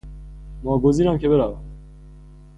ناگزیرم که بروم.